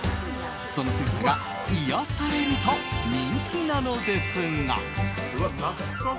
その姿が癒やされると人気なのですが。